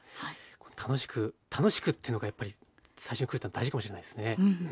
楽しく楽しくっていうのがやっぱり最初に来るっていうのは大事かもしれないですね。